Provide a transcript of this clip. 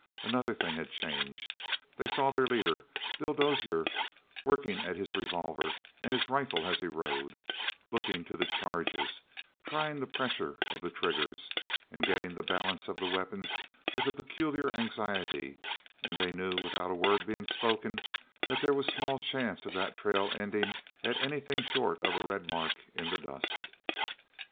Another thing had changed. They saw their leader, Bill Dozier, working at his revolver and his rifle as he rode, looking to the charges, trying the pressure of the triggers, getting the balance of the weapons with a peculiar anxiety, and they knew, without a word being spoken, that there was small chance of that trail ending at anything short of a red mark in the dust.